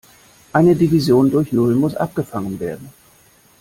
Eine Division durch Null muss abgefangen werden.